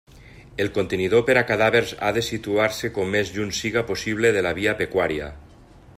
El contenidor per a cadàvers ha de situar-se com més lluny siga possible de la via pecuària.